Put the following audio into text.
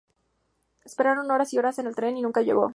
Esperaron horas y horas y el tren nunca llegó.